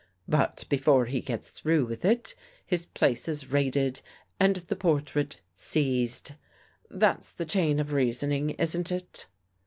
But before he gets through with it, his place is raided and the portrait seized. That's the chain of reasoning, isn't it?"